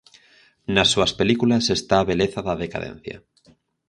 Nas súas películas está a beleza da decadencia.